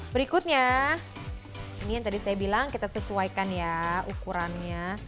berikutnya ini yang tadi saya bilang kita sesuaikan ya ukurannya